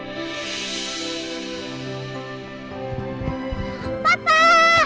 reina jangan lari larian